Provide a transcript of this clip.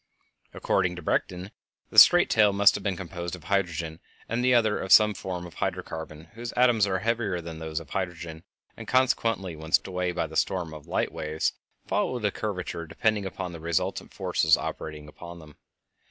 According to Bredichin, the straight tail must have been composed of hydrogen, and the other of some form of hydro carbon whose atoms are heavier than those of hydrogen, and, consequently, when swept away by the storm of light waves, followed a curvature depending upon the resultant of the forces operating upon them.